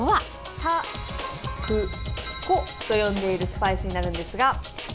タ、ク、コと呼んでいるスパイスになるんですが。